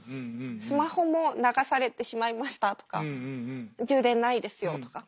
スマホも流されてしまいましたとか充電ないですよとか。